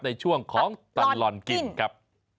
ในช่วงของตลอดกินครับ